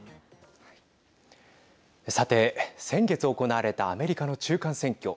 さて、先月行われたアメリカの中間選挙。